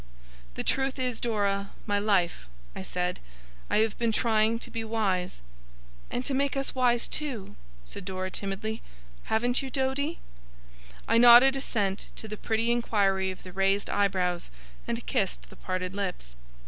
'The truth is, Dora, my life,' I said; 'I have been trying to be wise.' 'And to make me wise too,' said Dora, timidly. 'Haven't you, Doady?' I nodded assent to the pretty inquiry of the raised eyebrows, and kissed the parted lips.